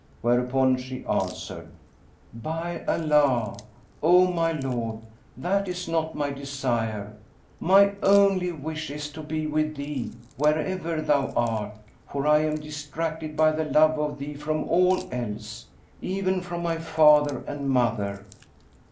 whereupon she answered, "By Allah, O my lord, that is not my desire: my only wish is to be with thee, wherever thou art; for I am distracted by the love of thee from all else, even from my father and mother."